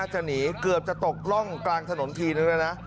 หนีเกือบตกร่องกลางถนนทีนึงนะนะ